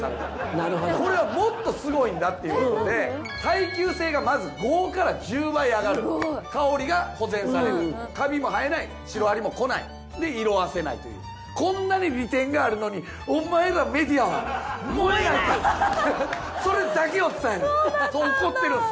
なるほどこれはもっとすごいんだっていう事で耐久性がまず５１０倍上がるすごい香りが保全されるカビも生えないシロアリも来ないで色褪せないというこんなに利点があるのにお前らそれだけを伝えるそう怒ってるんです